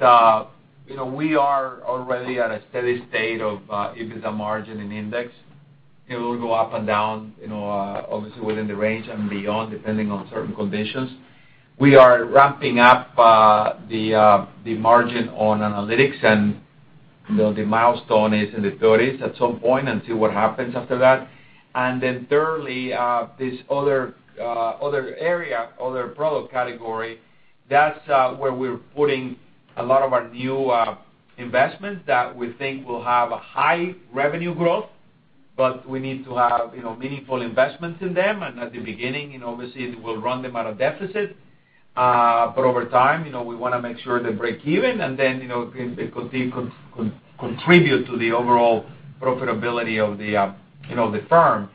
we are already at a steady state of EBITDA margin and Index. It will go up and down, obviously within the range and beyond, depending on certain conditions. We are ramping up the margin on Analytics, and the milestone is in the 30s at some point and see what happens after that. Then thirdly, this other area, other product category, that's where we're putting a lot of our new investments that we think will have a high revenue growth. We need to have meaningful investments in them. At the beginning, obviously, we'll run them at a deficit. Over time, we want to make sure they break even, and then they contribute to the overall profitability of the firm.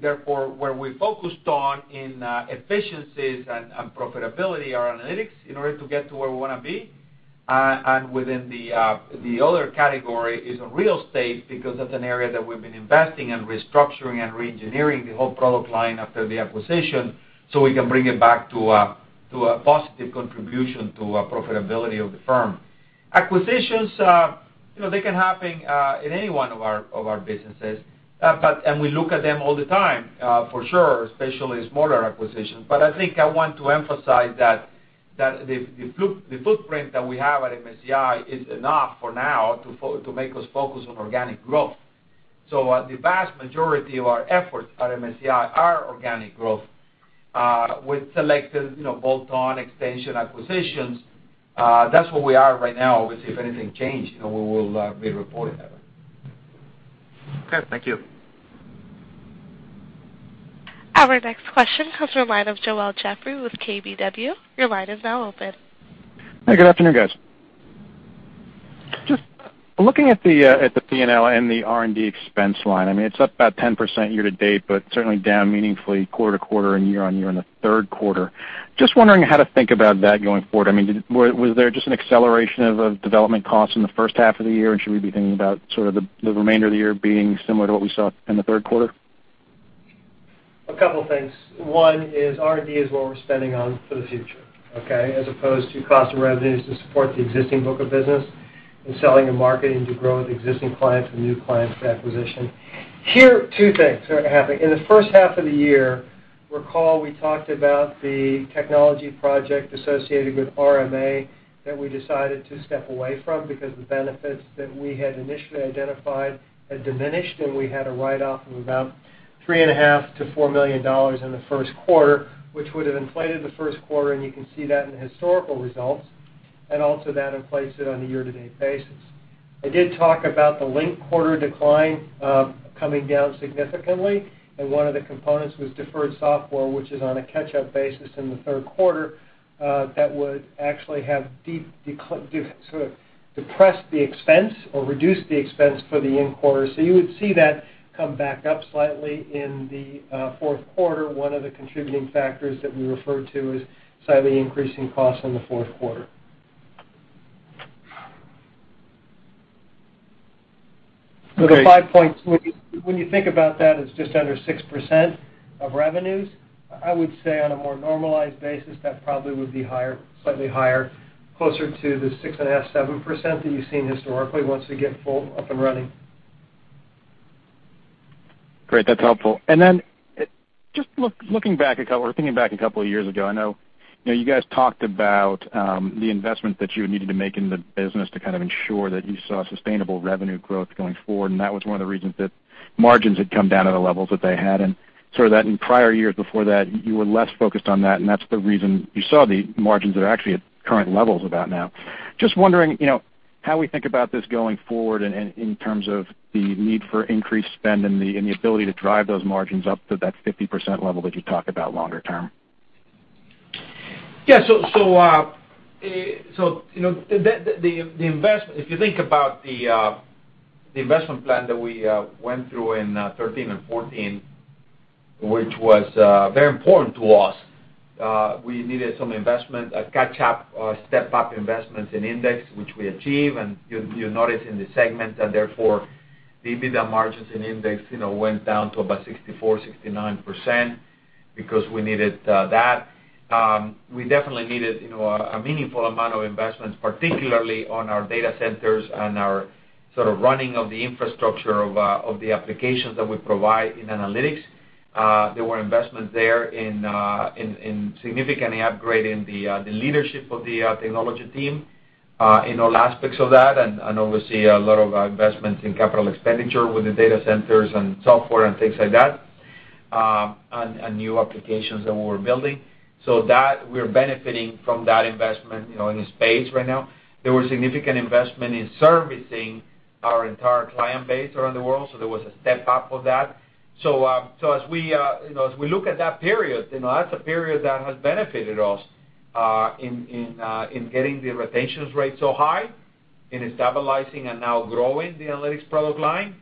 Therefore, where we focused on in efficiencies and profitability are analytics in order to get to where we want to be. Within the other category is on real estate because that's an area that we've been investing in restructuring and re-engineering the whole product line after the acquisition, so we can bring it back to a positive contribution to profitability of the firm. Acquisitions, they can happen in any one of our businesses. We look at them all the time, for sure, especially smaller acquisitions. I think I want to emphasize that the footprint that we have at MSCI is enough for now to make us focus on organic growth. The vast majority of our efforts at MSCI are organic growth with selected bolt-on extension acquisitions. That's where we are right now. Obviously, if anything changed, we will be reporting that. Okay. Thank you. Our next question comes from the line of Joel Jeffrey with KBW. Your line is now open. Hey, good afternoon, guys. Just looking at the P&L and the R&D expense line. It's up about 10% year-to-date, but certainly down meaningfully quarter-to-quarter and year-on-year in the third quarter. Just wondering how to think about that going forward. Was there just an acceleration of development costs in the first half of the year, or should we be thinking about sort of the remainder of the year being similar to what we saw in the third quarter? A couple of things. One is R&D is what we're spending on for the future. Okay? As opposed to cost of revenues to support the existing book of business and selling and marketing to grow existing clients and new clients for acquisition. Here, two things are happening. In the first half of the year, recall we talked about the technology project associated with RMA that we decided to step away from because the benefits that we had initially identified had diminished, and we had a write-off of about $3.5 million-$4 million in the first quarter, which would have inflated the first quarter, and you can see that in the historical results, and also that inflates it on a year-to-date basis. I did talk about the linked quarter decline coming down significantly, and one of the components was deferred software, which is on a catch-up basis in the third quarter. That would actually have sort of depressed the expense or reduced the expense for the in quarter. You would see that come back up slightly in the fourth quarter. One of the contributing factors that we referred to is slightly increasing costs in the fourth quarter. The 5 points, when you think about that, it's just under 6% of revenues. I would say on a more normalized basis, that probably would be slightly higher, closer to the 6.5%, 7% that you've seen historically once we get full up and running. Great. That's helpful. Just thinking back a couple of years ago, I know you guys talked about the investment that you needed to make in the business to ensure that you saw sustainable revenue growth going forward, and that was one of the reasons that margins had come down to the levels that they had. That in prior years before that, you were less focused on that, and that's the reason you saw the margins are actually at current levels about now. Just wondering, how we think about this going forward in terms of the need for increased spend and the ability to drive those margins up to that 50% level that you talk about longer term? If you think about the investment plan that we went through in 2013 and 2014, which was very important to us, we needed some investment, a catch-up or step-up investments in Index, which we achieved, and you'll notice in the segment that therefore the EBITDA margins in Index went down to about 64%, 69%, because we needed that. We definitely needed a meaningful amount of investments, particularly on our data centers and our running of the infrastructure of the applications that we provide in analytics. There were investments there in significantly upgrading the leadership of the technology team in all aspects of that, and obviously a lot of investments in capital expenditure with the data centers and software and things like that, and new applications that we were building. So that, we're benefiting from that investment in this phase right now. There was significant investment in servicing our entire client base around the world. There was a step-up of that. As we look at that period, that's a period that has benefited us in getting the retention rate so high, in stabilizing and now growing the Analytics product line,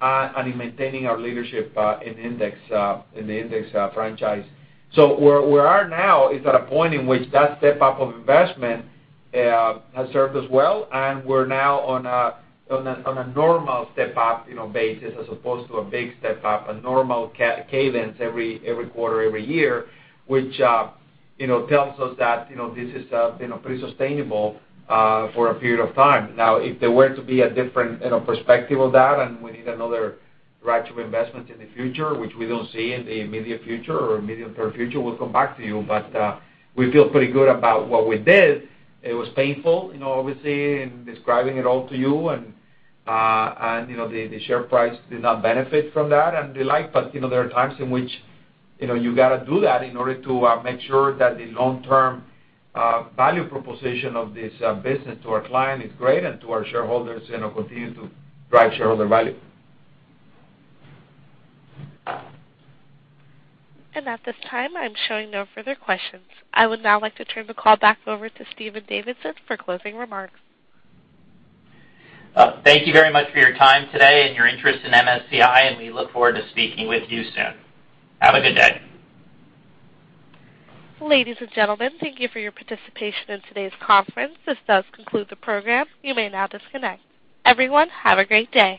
and in maintaining our leadership in the Index franchise. Where we are now is at a point in which that step-up of investment has served us well, and we're now on a normal step-up basis as opposed to a big step-up, a normal cadence every quarter, every year, which tells us that this is pretty sustainable for a period of time. If there were to be a different perspective of that and we need another round of investment in the future, which we don't see in the immediate future or medium-term future, we'll come back to you. We feel pretty good about what we did. It was painful, obviously, in describing it all to you, and the share price did not benefit from that and the like. There are times in which you got to do that in order to make sure that the long-term value proposition of this business to our client is great and to our shareholders continue to drive shareholder value. At this time, I'm showing no further questions. I would now like to turn the call back over to Stephen Davidson for closing remarks. Thank you very much for your time today and your interest in MSCI. We look forward to speaking with you soon. Have a good day. Ladies and gentlemen, thank you for your participation in today's conference. This does conclude the program. You may now disconnect. Everyone, have a great day.